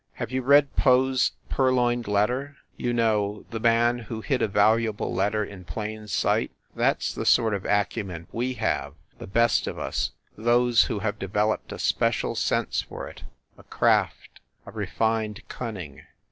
Have you read Poe s "Purloined Letter" ? You know the man who hid a valuable letter in plain sight ? That s the sort of acumen we have, the best of us those who have developed a special sense for it, a craft, a refined cunning.